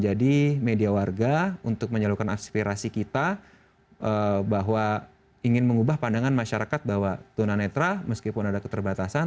jadi kita bisa mencari peluang dari keluarga untuk menyalurkan aspirasi kita bahwa ingin mengubah pandangan masyarakat bahwa tuna netra meskipun ada keterbatasan